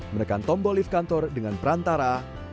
menekan tombol lift kantor dengan perantara